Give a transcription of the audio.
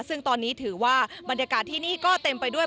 ซึ่งตอนนี้ถือว่าบรรยากาศที่นี่ก็เต็มไปด้วย